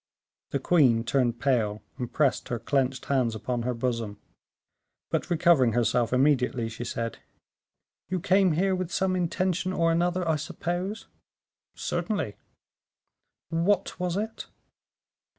The queen turned pale, and pressed her clenched hands upon her bosom; but, recovering herself immediately, she said, "You came here with some intention or another, I suppose?" "Certainly." "What was it?"